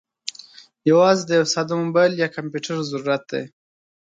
یوازې د یوه ساده موبايل یا کمپیوټر ضرورت دی.